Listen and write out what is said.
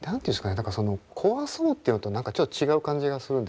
何かその壊そうっていうのと何かちょっと違う感じがするんですけどね。